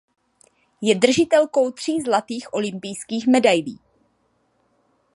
Je držitelkou tří zlatých olympijských medailí.